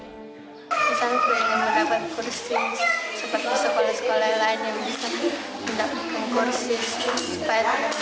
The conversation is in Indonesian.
misalnya kurang ingin mendapat kursi seperti sekolah sekolah lain yang bisa mendapatkan kursi